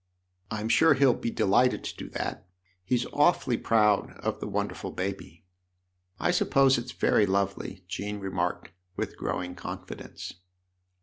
" I'm sure he'll be delighted to do that. He's awfully proud of the wonderful baby." " I suppose it's very lovely," Jean remarked with growing confidence.